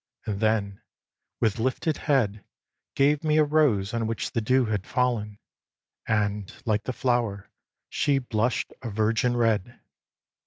and then, with lifted head, Gave me a rose on which the dew had fallen; And, like the flower, she blush'd a virgin red.